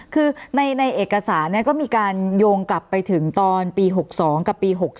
คือในเอกสารก็มีการโยงกลับไปถึงตอนปี๖๒กับปี๖๓